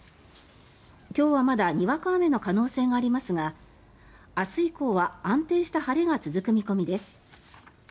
今日はまだにわか雨の可能性がありますが明日以降は安定した晴れが続く見込みです。